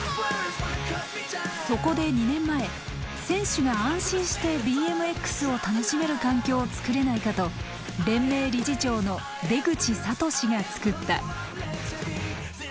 そこで２年前選手が安心してＢＭＸを楽しめる環境を作れないかと連盟理事長の出口智嗣が作った。